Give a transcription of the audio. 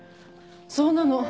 そうなの。